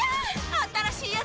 新しいやつ！